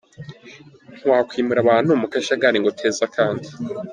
Ntiwakwimura abantu mu kajagari ngo uteze akandi.